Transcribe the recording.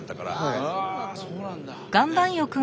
ああそうなんだ。